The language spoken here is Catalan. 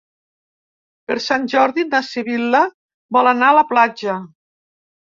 Per Sant Jordi na Sibil·la vol anar a la platja.